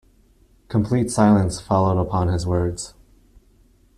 Complete silence followed upon his words.